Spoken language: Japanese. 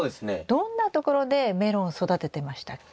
どんな所でメロンを育ててましたっけ？